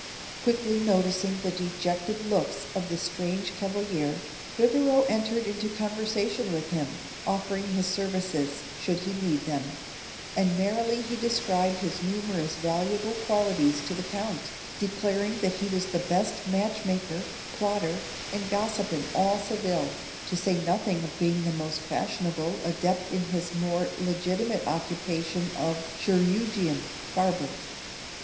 Quickly noticing the dejected looks of the strange cavalier, Figaro entered into conversation with him, offering his services, should he need them; and merrily he described his numerous valuable qualities to the Count, declaring that he was the best match maker, plotter, and gossip in all Seville, to say nothing of being the most fashionable adept in his more legitimate occupation of chirurgeon barber.